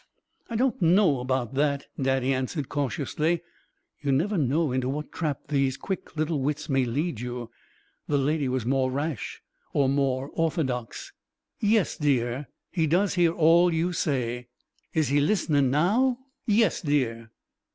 "I don't know about that," Daddy answered, cautiously. You never know into what trap those quick little wits may lead you. The Lady was more rash, or more orthodox. "Yes, dear, He does hear all you say." "Is He listenin' now?" "Yes, dear."